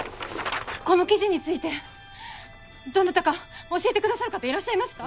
この記事についてどなたか教えてくださる方いらっしゃいますか？